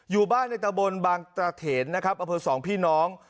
อยู่บ้านในตะบนบางตระเถนนะครับอำเภอสองพี่น้อง